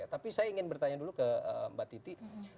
tapi saya ingin bertanya dulu ke mbak titi